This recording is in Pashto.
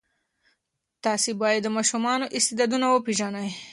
تاسې باید د ماشومانو استعدادونه وپېژنئ.